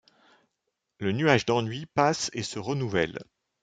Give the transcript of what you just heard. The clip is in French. Le nuage d’ennui passe et se renouvelle.